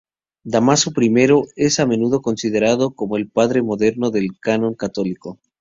Dámaso I es a menudo considerado como el padre del moderno canon católico.